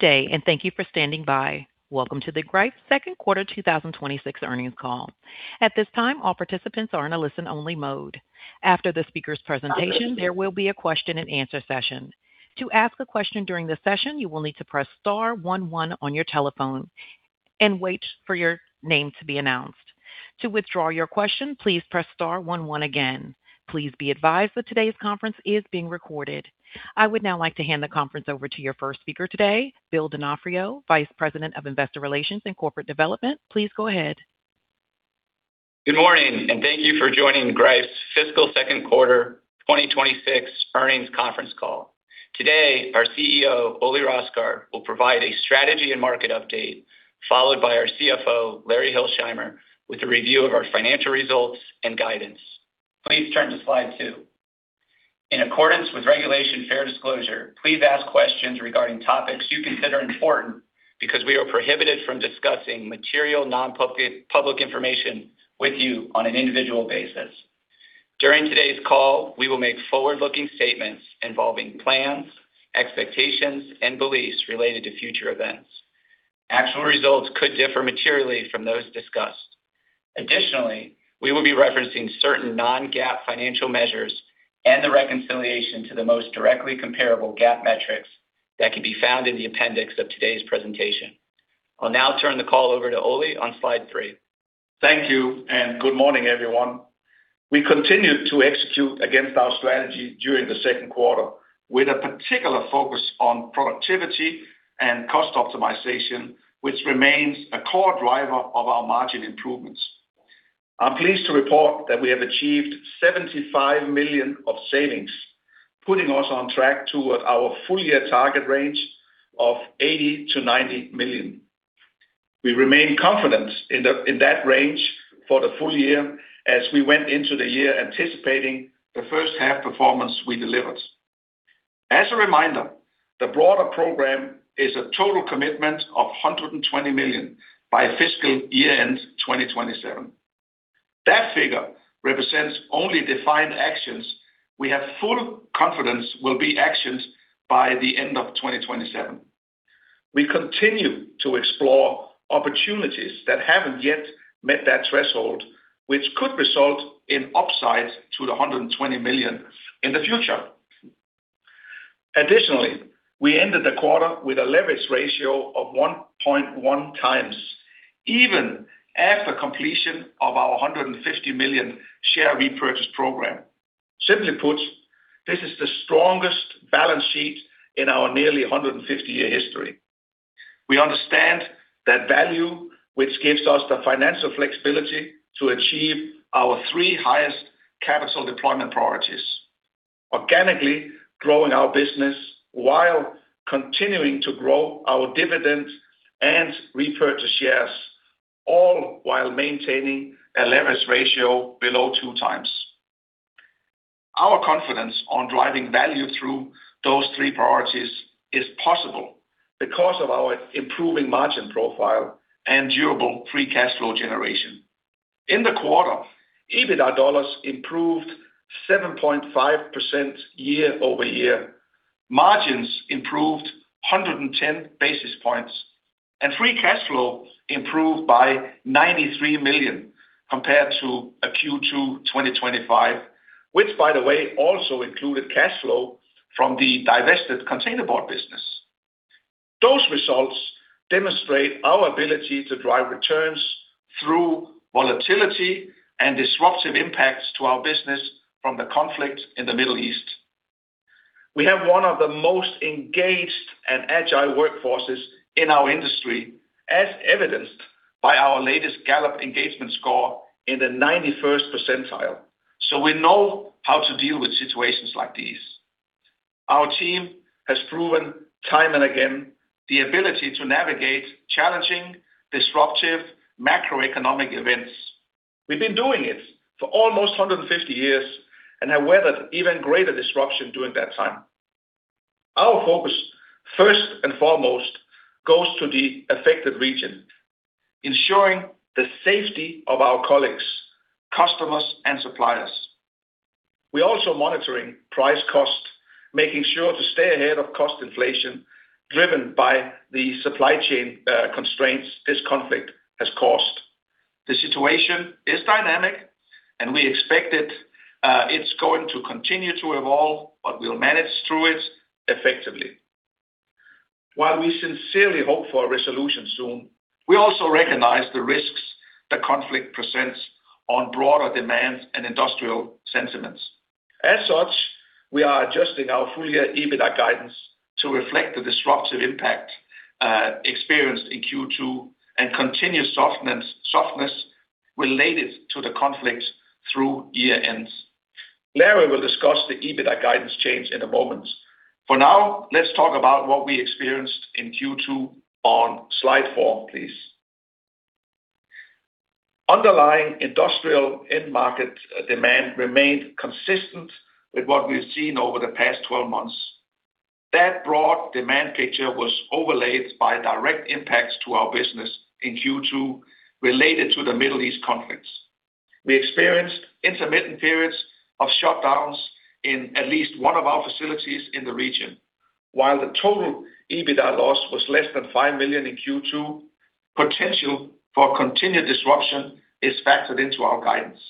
Good day, and thank you for standing by. Welcome to the Greif Second Quarter 2026 earnings call. At this time, all participants are in a listen-only mode. After the speaker's presentation, there will be a question-and-answer session. I would now like to hand the conference over to your first speaker today, Bill D'Onofrio, Vice President of Investor Relations and Corporate Development. Please go ahead. Good morning, thank you for joining Greif's fiscal second quarter 2026 earnings conference call. Today, our CEO, Ole Rosgaard, will provide a strategy and market update, followed by our CFO, Larry Hilsheimer, with a review of our financial results and guidance. Please turn to slide 2. In accordance with Regulation Fair Disclosure, please ask questions regarding topics you consider important because we are prohibited from discussing material public information with you on an individual basis. During today's call, we will make forward-looking statements involving plans, expectations, and beliefs related to future events. Actual results could differ materially from those discussed. Additionally, we will be referencing certain non-GAAP financial measures and the reconciliation to the most directly comparable GAAP metrics that can be found in the appendix of today's presentation. I'll now turn the call over to Ole on slide 3. Thank you, and good morning, everyone. We continued to execute against our strategy during the second quarter, with a particular focus on productivity and cost optimization, which remains a core driver of our margin improvements. I'm pleased to report that we have achieved $75 million of savings, putting us on track toward our full-year target range of $80 million-$90 million. We remain confident in that range for the full year as we went into the year anticipating the first half performance we delivered. As a reminder, the broader program is a total commitment of $120 million by fiscal year-end 2027. That figure represents only defined actions we have full confidence will be actioned by the end of 2027. We continue to explore opportunities that haven't yet met that threshold, which could result in upside to the $120 million in the future. Additionally, we ended the quarter with a leverage ratio of 1.1 times, even after completion of our $150 million share repurchase program. Simply put, this is the strongest balance sheet in our nearly 150-year history. We understand that value, which gives us the financial flexibility to achieve our three highest capital deployment priorities: organically growing our business while continuing to grow our dividend and repurchase shares, all while maintaining a leverage ratio below 2 times. Our confidence on driving value through those three priorities is possible because of our improving margin profile and durable free cash flow generation. In the quarter, EBITDA dollars improved 7.5% year-over-year. Margins improved 110 basis points, and free cash flow improved by $93 million compared to a Q2 2025, which by the way, also included cash flow from the divested containerboard business. Those results demonstrate our ability to drive returns through volatility and disruptive impacts to our business from the conflict in the Middle East. We have one of the most engaged and agile workforces in our industry, as evidenced by our latest Gallup engagement score in the 91st percentile. We know how to deal with situations like these. Our team has proven time and again the ability to navigate challenging, disruptive macroeconomic events. We've been doing it for almost 150 years and have weathered even greater disruption during that time. Our focus, first and foremost, goes to the affected region, ensuring the safety of our colleagues, customers, and suppliers. We're also monitoring price cost, making sure to stay ahead of cost inflation driven by the supply chain constraints this conflict has caused. The situation is dynamic, we expect it's going to continue to evolve, but we'll manage through it effectively. While we sincerely hope for a resolution soon, we also recognize the risks the conflict presents on broader demand and industrial sentiments. As such, we are adjusting our full-year EBITDA guidance to reflect the disruptive impact experienced in Q2 and continued softness related to the conflict through year-ends. Larry will discuss the EBITDA guidance change in a moment. For now, let's talk about what we experienced in Q2 on slide four, please. Underlying industrial end market demand remained consistent with what we've seen over the past 12 months. That broad demand picture was overlaid by direct impacts to our business in Q2 related to the Middle East conflicts. We experienced intermittent periods of shutdowns in at least one of our facilities in the region. While the total EBITDA loss was less than $5 million in Q2, potential for continued disruption is factored into our guidance.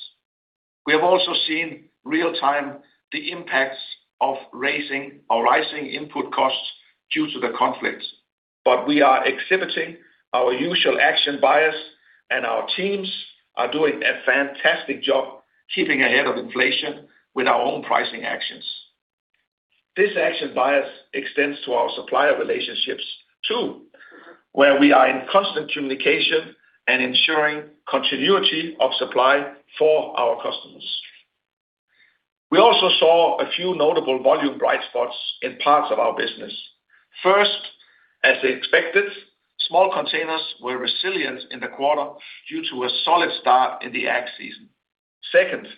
We have also seen real-time the impacts of rising input costs due to the conflict. We are exhibiting our usual action bias, and our teams are doing a fantastic job keeping ahead of inflation with our own pricing actions. This action bias extends to our supplier relationships too, where we are in constant communication and ensuring continuity of supply for our customers. We also saw a few notable volume bright spots in parts of our business. First, as expected, small containers were resilient in the quarter due to a solid start in the ag season. Second,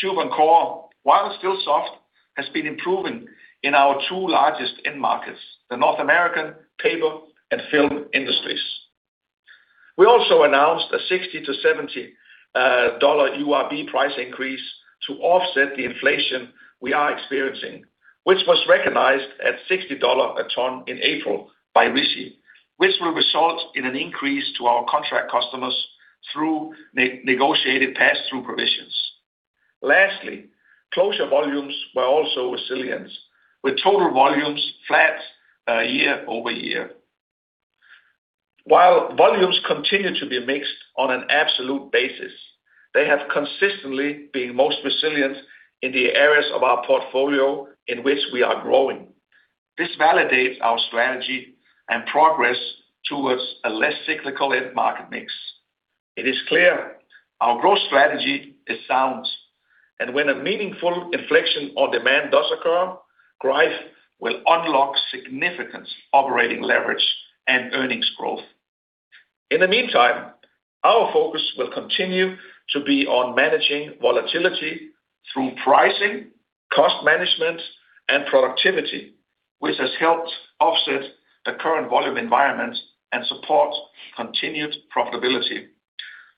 Tubes and Cores, while still soft, has been improving in our two largest end markets, the North American paper and film industries. We also announced a $60-$70 URB price increase to offset the inflation we are experiencing, which was recognized at $60 a ton in April by RISI, which will result in an increase to our contract customers through negotiated passthrough provisions. Lastly, closure volumes were also resilient, with total volumes flat year-over-year. While volumes continue to be mixed on an absolute basis, they have consistently been most resilient in the areas of our portfolio in which we are growing. This validates our strategy and progress towards a less cyclical end market mix. It is clear our growth strategy is sound, and when a meaningful inflection on demand does occur, Greif will unlock significant operating leverage and earnings growth. In the meantime, our focus will continue to be on managing volatility through pricing, cost management, and productivity, which has helped offset the current volume environment and support continued profitability.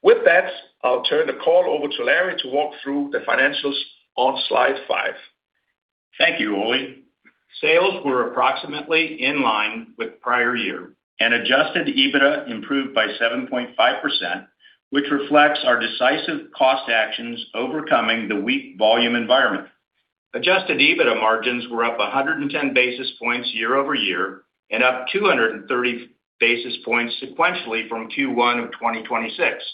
With that, I'll turn the call over to Larry to walk through the financials on slide 5. Thank you, Ole. Sales were approximately in line with prior year, and adjusted EBITDA improved by 7.5%, which reflects our decisive cost actions overcoming the weak volume environment. Adjusted EBITDA margins were up 110 basis points year-over-year and up 230 basis points sequentially from Q1 of 2026.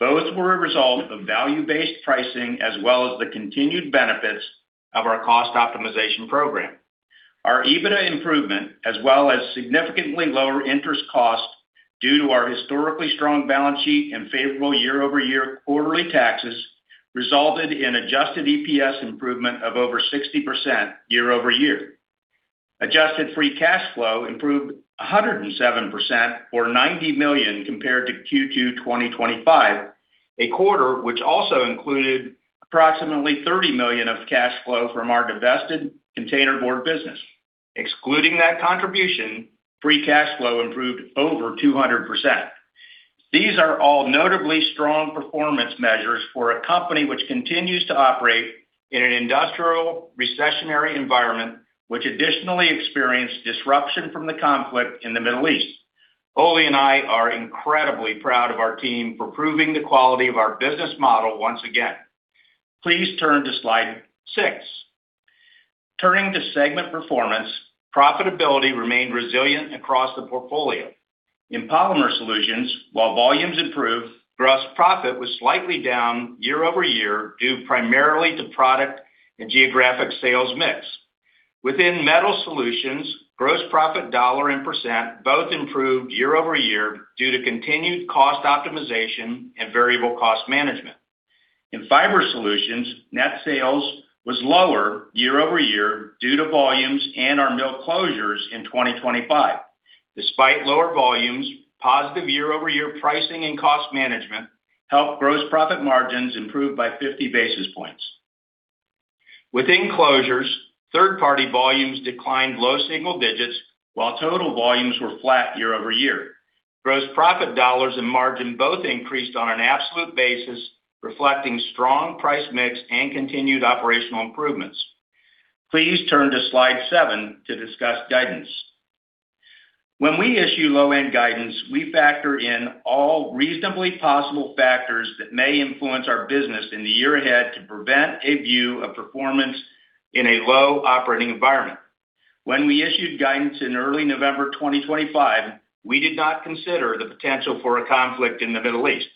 Both were a result of value-based pricing as well as the continued benefits of our cost optimization program. Our EBITDA improvement, as well as significantly lower interest cost due to our historically strong balance sheet and favorable year-over-year quarterly taxes, resulted in adjusted EPS improvement of over 60% year-over-year. Adjusted free cash flow improved 107% or $90 million compared to Q2 2025, a quarter which also included approximately $30 million of cash flow from our divested containerboard business. Excluding that contribution, free cash flow improved over 200%. These are all notably strong performance measures for a company which continues to operate in an industrial recessionary environment, which additionally experienced disruption from the conflict in the Middle East. Ole and I are incredibly proud of our team for proving the quality of our business model once again. Please turn to slide 6. Turning to segment performance, profitability remained resilient across the portfolio. In Polymer Solutions, while volumes improved, gross profit was slightly down year-over-year due primarily to product and geographic sales mix. Within Metal Solutions, gross profit dollar and % both improved year-over-year due to continued cost optimization and variable cost management. In Fiber Solutions, net sales was lower year-over-year due to volumes and our mill closures in 2025. Despite lower volumes, positive year-over-year pricing and cost management helped gross profit margins improve by 50 basis points. Within Closures, third-party volumes declined low single digits while total volumes were flat year-over-year. Gross profit dollars and margin both increased on an absolute basis, reflecting strong price mix and continued operational improvements. Please turn to slide 7 to discuss guidance. When we issue low-end guidance, we factor in all reasonably possible factors that may influence our business in the year ahead to prevent a view of performance in a low operating environment. When we issued guidance in early November 2025, we did not consider the potential for a conflict in the Middle East.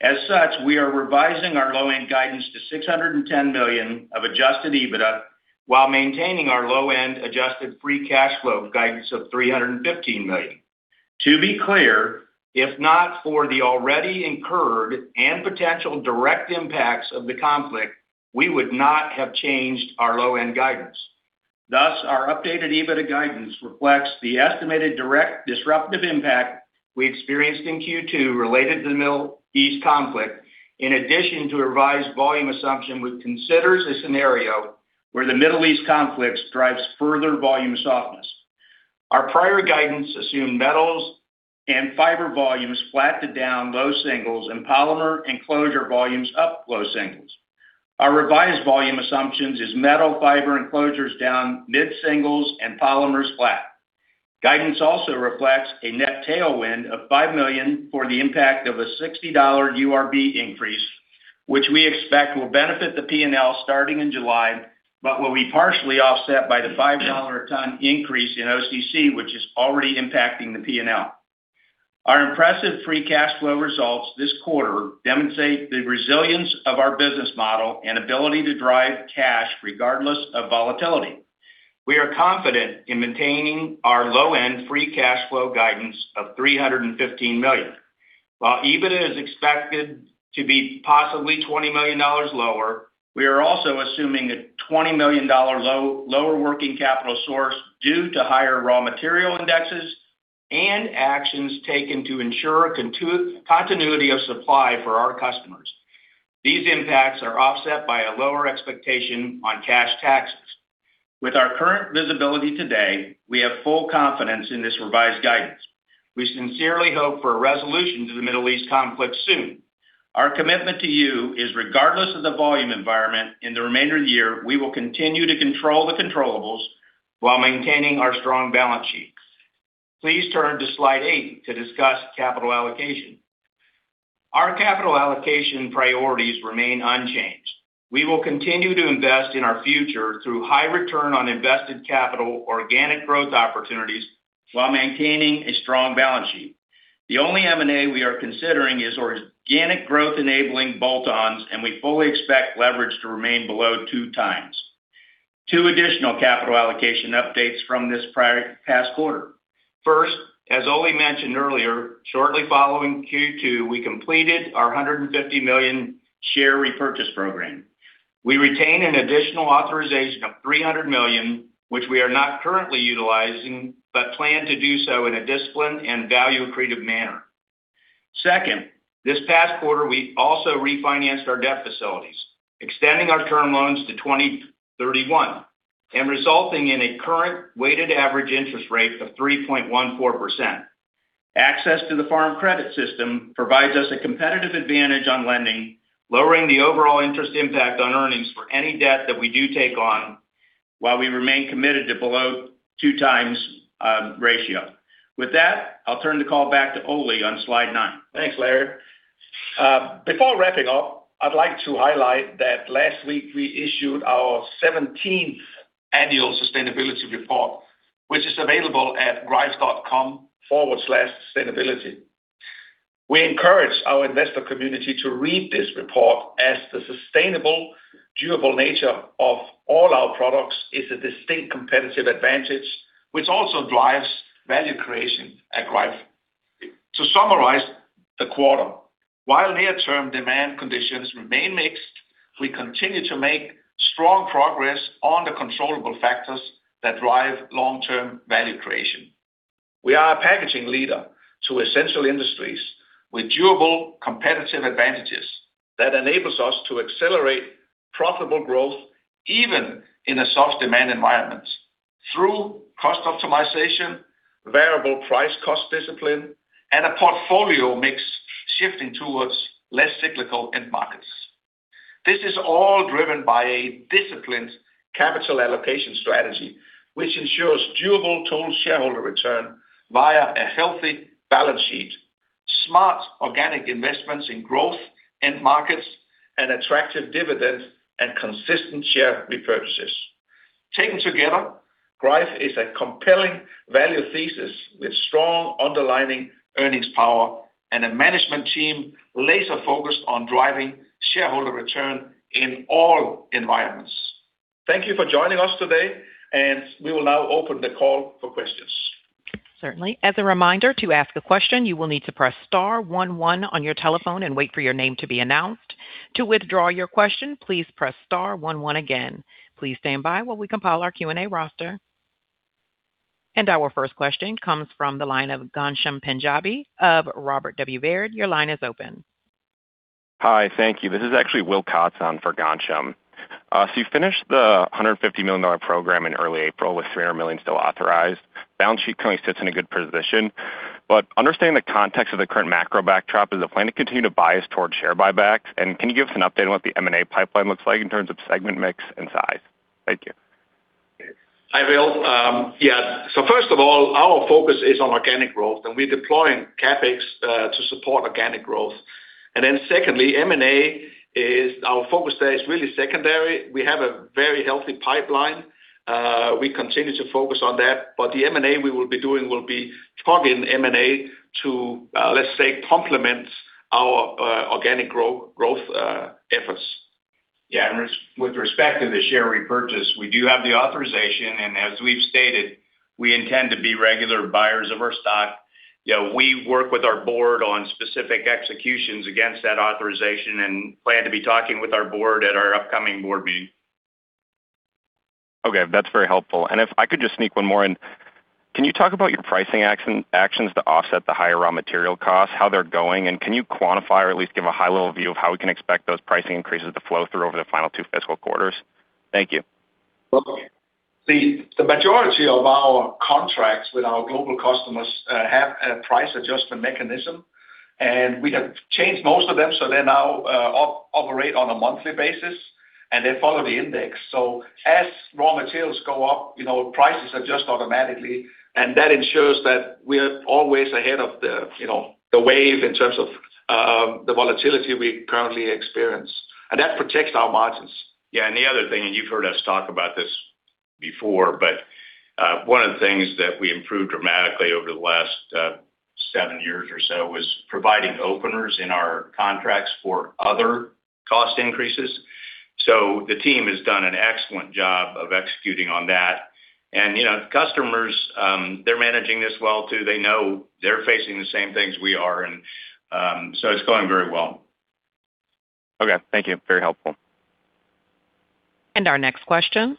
As such, we are revising our low-end guidance to $610 million of adjusted EBITDA while maintaining our low-end adjusted free cash flow guidance of $315 million. To be clear, if not for the already incurred and potential direct impacts of the conflict, we would not have changed our low-end guidance. Thus, our updated EBITDA guidance reflects the estimated direct disruptive impact we experienced in Q2 related to the Middle East conflict, in addition to a revised volume assumption, which considers a scenario where the Middle East conflict drives further volume softness. Our prior guidance assumed metals and fiber volumes flattened down low singles and polymer and closure volumes up low singles. Our revised volume assumptions is metal fiber closures down mid-singles and polymers flat. Guidance also reflects a net tailwind of $5 million for the impact of a $60 URB increase, which we expect will benefit the P&L starting in July. But will be partially offset by the $5 a ton increase in OCC, which is already impacting the P&L. Our impressive free cash flow results this quarter demonstrate the resilience of our business model and ability to drive cash regardless of volatility. We are confident in maintaining our low-end free cash flow guidance of $315 million. While EBITDA is expected to be possibly $20 million lower, we are also assuming a $20 million lower working capital source due to higher raw material indexes and actions taken to ensure continuity of supply for our customers. These impacts are offset by a lower expectation on cash taxes. With our current visibility today, we have full confidence in this revised guidance. We sincerely hope for a resolution to the Middle East conflict soon. Our commitment to you is regardless of the volume environment in the remainder of the year, we will continue to control the controllables while maintaining our strong balance sheet. Please turn to slide 8 to discuss capital allocation. Our capital allocation priorities remain unchanged. We will continue to invest in our future through high return on invested capital, organic growth opportunities while maintaining a strong balance sheet. The only M&A we are considering is organic growth-enabling bolt-ons, and we fully expect leverage to remain below 2 times. 2 additional capital allocation updates from this past quarter. First, as Ole mentioned earlier, shortly following Q2, we completed our $150 million share repurchase program. We retain an additional authorization of $300 million, which we are not currently utilizing, but plan to do so in a disciplined and value-accretive manner. Second, this past quarter, we also refinanced our debt facilities, extending our term loans to 2031 and resulting in a current weighted average interest rate of 3.14%. Access to the Farm Credit System provides us a competitive advantage on lending, lowering the overall interest impact on earnings for any debt that we do take on while we remain committed to below 2 times ratio. With that, I'll turn the call back to Ole on slide 9. Thanks, Larry. Before wrapping up, I'd like to highlight that last week we issued our seventeenth annual sustainability report, which is available at greif.com/sustainability. We encourage our investor community to read this report as the sustainable, durable nature of all our products is a distinct competitive advantage, which also drives value creation at Greif. To summarize the quarter, while near-term demand conditions remain mixed, we continue to make strong progress on the controllable factors that drive long-term value creation. We are a packaging leader to essential industries with durable competitive advantages that enables us to accelerate profitable growth even in a soft demand environment through cost optimization, variable price cost discipline, and a portfolio mix shifting towards less cyclical end markets. This is all driven by a disciplined capital allocation strategy, which ensures durable total shareholder return via a healthy balance sheet, smart organic investments in growth, end markets, an attractive dividend, and consistent share repurchases. Taken together, Greif is a compelling value thesis with strong underlying earnings power and a management team laser-focused on driving shareholder return in all environments. Thank you for joining us today, and we will now open the call for questions. Certainly. As a reminder, to ask a question, you will need to press star one one on your telephone and wait for your name to be announced. To withdraw your question, please press star one one again. Please stand by while we compile our Q&A roster. Our first question comes from the line of Ghansham Panjabi of Robert W. Baird. Your line is open. Hi. Thank you. This is Will Cauthen on for Ghansham. You finished the $150 million program in early April with $300 million still authorized. Balance sheet currently sits in a good position. Understanding the context of the current macro backdrop, is the plan to continue to bias towards share buybacks? Can you give us an update on what the M&A pipeline looks like in terms of segment mix and size? Thank you. Hi, Will. Yeah. First of all, our focus is on organic growth, and we're deploying CapEx to support organic growth. Secondly, our focus there is really secondary. We have a very healthy pipeline. We continue to focus on that, the M&A we will be doing will be targeted M&A to, let's say, complement our organic growth efforts. Yeah. With respect to the share repurchase, we do have the authorization, and as we've stated, we intend to be regular buyers of our stock. You know, we work with our board on specific executions against that authorization and plan to be talking with our board at our upcoming board meeting. Okay. That's very helpful. If I could just sneak one more in. Can you talk about your pricing actions to offset the higher raw material costs, how they're going? Can you quantify or at least give a high-level view of how we can expect those pricing increases to flow through over the final two fiscal quarters? Thank you. The majority of our contracts with our global customers have a price adjustment mechanism, and we have changed most of them, so they're now operate on a monthly basis, and they follow the index. As raw materials go up, you know, prices adjust automatically, and that ensures that we're always ahead of the, you know, the wave in terms of the volatility we currently experience. That protects our margins. Yeah. The other thing, you've heard us talk about this before, one of the things that we improved dramatically over the last seven years or so was providing openers in our contracts for other cost increases. The team has done an excellent job of executing on that. You know, customers, they're managing this well too. They know they're facing the same things we are. It's going very well. Okay. Thank you. Very helpful. Our next question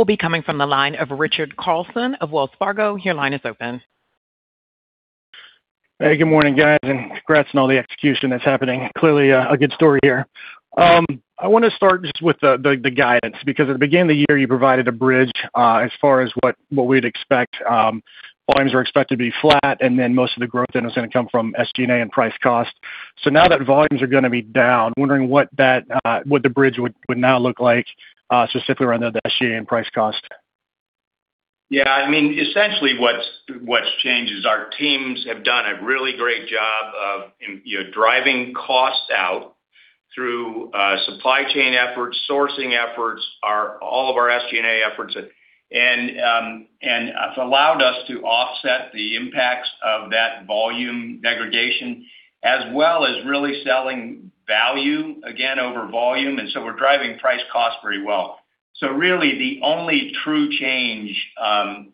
will be coming from the line of Richard Carlson of Wells Fargo. Good morning, guys, congrats on all the execution that's happening. Clearly a good story here. I wanna start just with the guidance because at the beginning of the year, you provided a bridge as far as what we'd expect. Volumes were expected to be flat, and then most of the growth then was gonna come from SG&A and price cost. Now that volumes are gonna be down, wondering what that what the bridge would now look like specifically around the SG&A and price cost. Yeah. I mean, essentially, what's changed is our teams have done a really great job of you know, driving costs out through supply chain efforts, sourcing efforts, all of our SG&A efforts. It's allowed us to offset the impacts of that volume degradation as well as really selling value again over volume, we're driving price cost very well. Really the only true change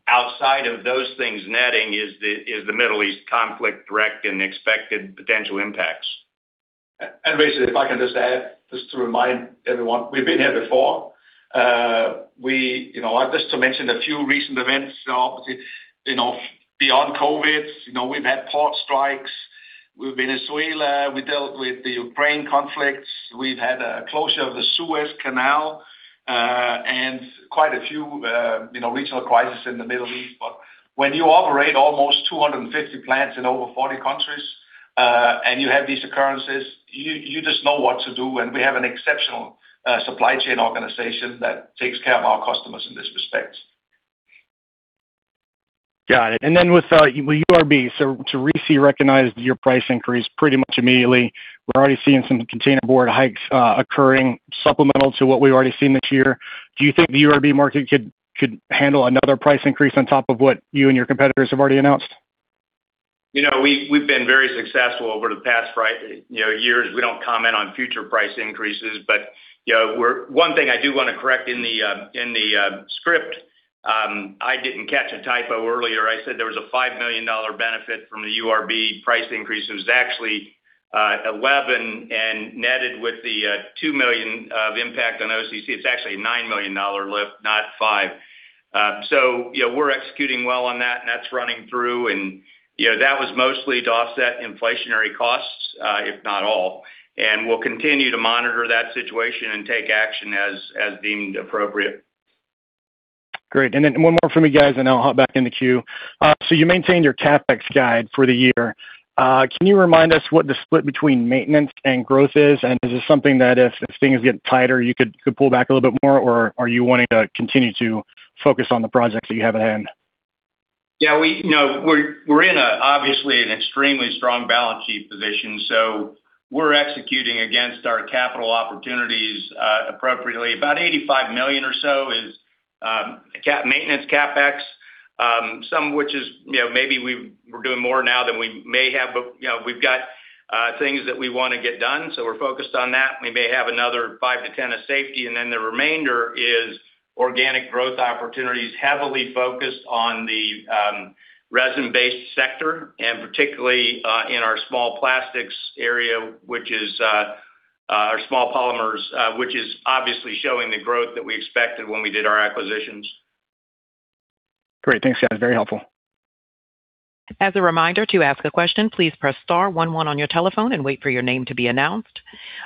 outside of those things netting is the Middle East conflict direct and expected potential impacts. Richard, if I can just add, just to remind everyone, we've been here before. We, you know, just to mention a few recent events, obviously, you know, beyond COVID, you know, we've had port strikes with Venezuela. We dealt with the Ukraine conflicts. We've had a closure of the Suez Canal, and quite a few, you know, regional crisis in the Middle East. When you operate almost 250 plants in over 40 countries, and you have these occurrences, you just know what to do, and we have an exceptional supply chain organization that takes care of our customers in this respect. Got it. With URB, to recognize your price increase pretty much immediately, we're already seeing some containerboard hikes occurring supplemental to what we've already seen this year. Do you think the URB market could handle another price increase on top of what you and your competitors have already announced? You know, we've been very successful over the past you know, years. We don't comment on future price increases. You know, one thing I do wanna correct in the script, I didn't catch a typo earlier. I said there was a $5 million benefit from the URB price increase. It was actually $11 million and netted with the $2 million of impact on OCC. It's actually a $9 million lift, not 5. You know, we're executing well on that, and that's running through. You know, that was mostly to offset inflationary costs, if not all. We'll continue to monitor that situation and take action as deemed appropriate. Great. Then one more from you guys, and then I'll hop back in the queue. You maintained your CapEx guide for the year. Can you remind us what the split between maintenance and growth is? Is this something that if things get tighter, you could pull back a little bit more, or are you wanting to continue to focus on the projects that you have at hand? You know, we're in an obviously an extremely strong balance sheet position, so we're executing against our capital opportunities appropriately. About $85 million or so is CapEx, some of which is, you know, maybe we're doing more now than we may have, but, you know, we've got things that we wanna get done, so we're focused on that. We may have another $5 million-$10 million of safety, and then the remainder is organic growth opportunities, heavily focused on the resin-based sector and particularly in our small plastics area, which is our small polymers, which is obviously showing the growth that we expected when we did our acquisitions. Great. Thanks, guys. Very helpful. As a reminder, to ask a question, please press star one one on your telephone and wait for your name to be announced.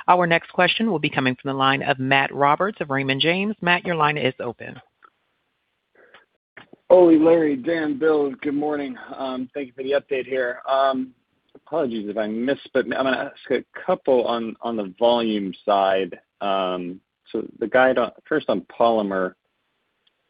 Our next question will be coming from the line of Matt Roberts of Raymond James. Matt, your line is open. Ole, Larry then Bill, good morning. Thank you for the update here. Apologies if I missed, but I'm gonna ask a couple on the volume side. First on polymer,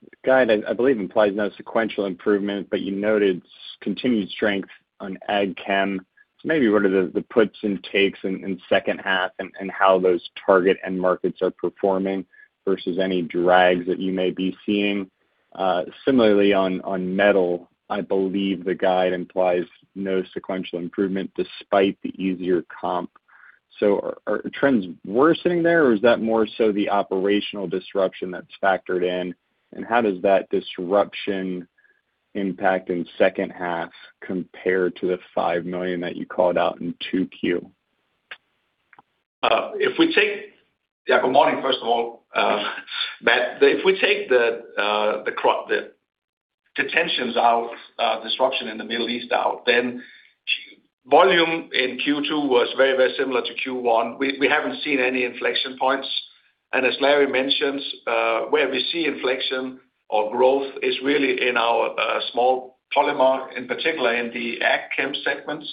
the guide I believe implies no sequential improvement, but you noted continued strength on ag chem. Maybe what are the puts and takes in second half and how those target end markets are performing versus any drags that you may be seeing? Similarly on metal, I believe the guide implies no sequential improvement despite the easier comp. Are trends worsening there, or is that more so the operational disruption that's factored in? How does that disruption impact in second half compare to the $5 million that you called out in 2Q? Yeah, good morning, first of all, Matt. If we take the tensions out, disruption in the Middle East out, then volume in Q2 was very, very similar to Q1. We haven't seen any inflection points. As Larry mentions, where we see inflection or growth is really in our small polymer, in particular in the ag chem segments.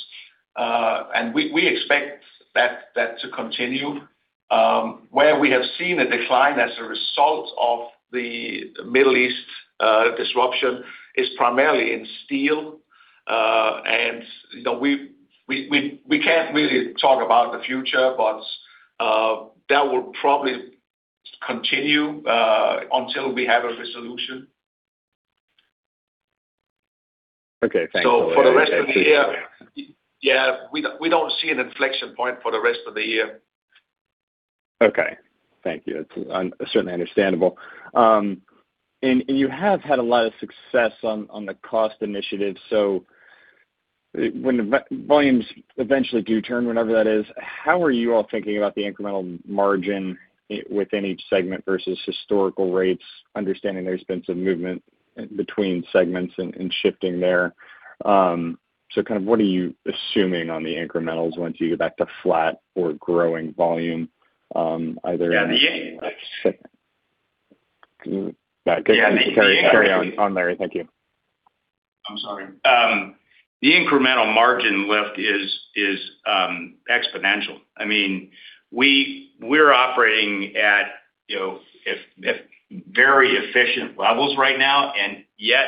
We expect that to continue. Where we have seen a decline as a result of the Middle East disruption is primarily in steel. You know, we can't really talk about the future, but that will probably continue until we have a resolution. Okay. Thank you, Ole. For the rest of the year. Yeah, we don't see an inflection point for the rest of the year. Okay. Thank you. That's certainly understandable. You have had a lot of success on the cost initiatives. When the volumes eventually do turn, whenever that is, how are you all thinking about the incremental margin within each segment versus historical rates? Understanding there's been some movement between segments and shifting there. Kind of what are you assuming on the incremental once you get back to flat or growing volume? Yeah. Go ahead. Carry on, Larry. Thank you. I'm sorry. The incremental margin lift is exponential. I mean, we're operating at, you know, very efficient levels right now, and yet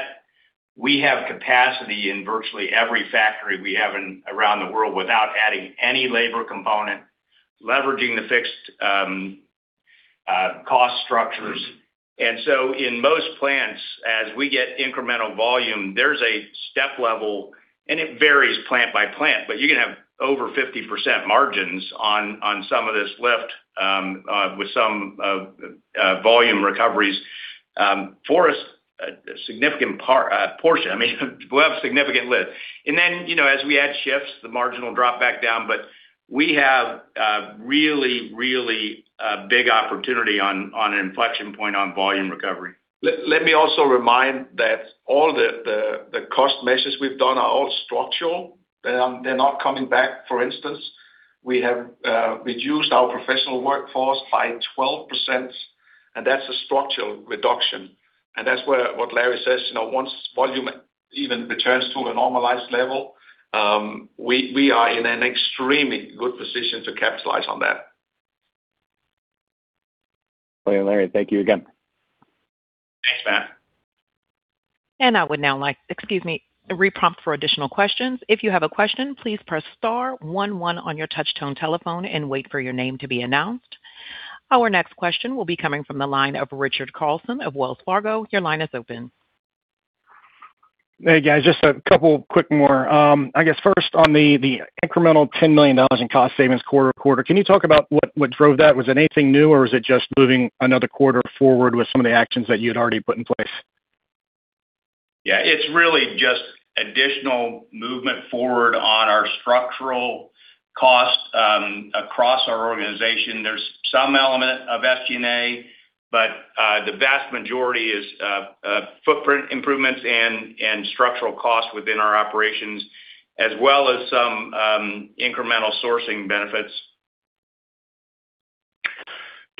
we have capacity in virtually every factory we have in around the world without adding any labor component, leveraging the fixed cost structures. In most plants, as we get incremental volume, there's a step level, and it varies plant by plant, but you can have over 50% margins on some of this lift with some volume recoveries. For us, a significant portion. I mean, we'll have significant lift. You know, as we add shifts, the margin will drop back down, but we have a really big opportunity on an inflection point on volume recovery. Let me also remind that all the cost measures we've done are all structural. They're not coming back. For instance, we have reduced our professional workforce by 12%, and that's a structural reduction. That's where what Larry says, you know, once volume even returns to a normalized level, we are in an extremely good position to capitalize on that. Ole and Larry, thank you again. Thanks, Matt. Excuse me, a re-prompt for additional questions. Our next question will be coming from the line of Richard Carlson of Wells Fargo. Your line is open. Hey, guys. Just a couple quick more. I guess first on the incremental $10 million in cost savings quarter-to-quarter. Can you talk about what drove that? Was it anything new, or is it just moving another quarter forward with some of the actions that you had already put in place? Yeah. It's really just additional movement forward on our structural cost across our organization. There's some element of SG&A, but the vast majority is footprint improvements and structural costs within our operations, as well as some incremental sourcing benefits.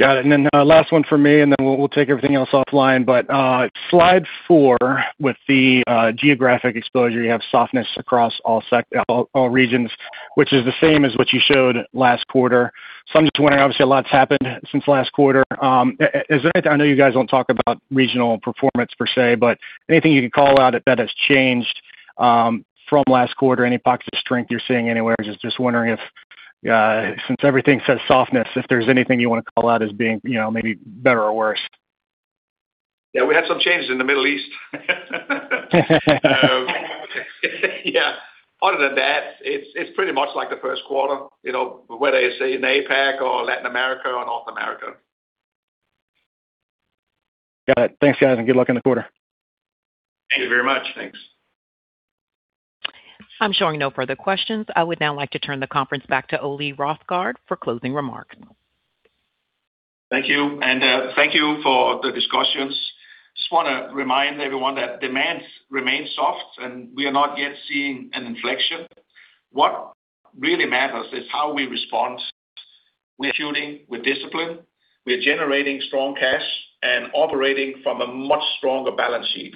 Got it. Then, last one for me, then we'll take everything else offline. Slide four with the geographic exposure, you have softness across all regions, which is the same as what you showed last quarter. I'm just wondering, obviously, a lot's happened since last quarter. Is there, I know you guys don't talk about regional performance per se, but anything you could call out that has changed from last quarter? Any pockets of strength you're seeing anywhere? Just wondering if, since everything says softness, if there's anything you wanna call out as being, you know, maybe better or worse. Yeah, we had some changes in the Middle East. Yeah. Other than that, it's pretty much like the first quarter, you know, whether it's in APAC or Latin America or North America. Got it. Thanks, guys, and good luck in the quarter. Thank you very much. Thanks. I'm showing no further questions. I would now like to turn the conference back to Ole Rosgaard for closing remarks. Thank you. Thank you for the discussions. Just wanna remind everyone that demand remains soft, and we are not yet seeing an inflection. What really matters is how we respond. We're executing with discipline. We're generating strong cash and operating from a much stronger balance sheet.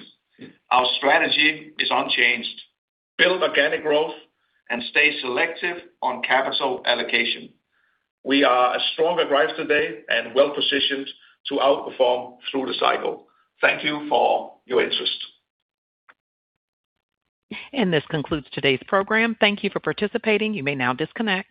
Our strategy is unchanged. Build organic growth and stay selective on capital allocation. We are as strong as Greif today and well-positioned to outperform through the cycle. Thank you for your interest. This concludes today's program. Thank you for participating. You may now disconnect.